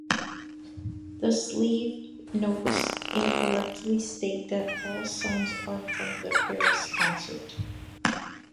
The sleeve notes incorrectly state that all songs are from the Paris concert.